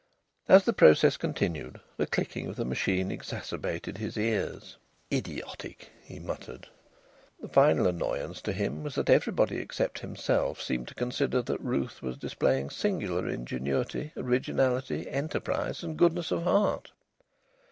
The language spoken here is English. As the process continued, the clicking of the machine exacerbated his ears. "Idiotic!" he muttered. The final annoyance to him was that everybody except himself seemed to consider that Ruth was displaying singular ingenuity, originality, enterprise, and goodness of heart.